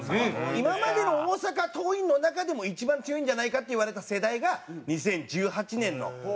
今までの大阪桐蔭の中でも一番強いんじゃないかっていわれた世代が２０１８年の。